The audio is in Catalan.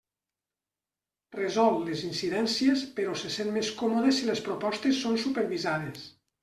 Resol les incidències però se sent més còmode si les propostes són supervisades.